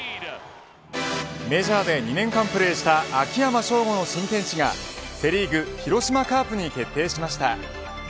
メジャーで２年間プレーした秋山翔吾の新天地がセ・リーグ広島カープに決定しました。